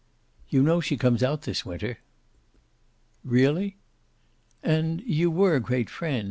"You know she comes out this winter." "Really?" "And you were great friends.